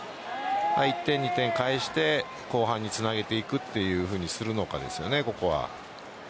１点、２点返して後半につなげていくというふうにするのかですよね、ここは。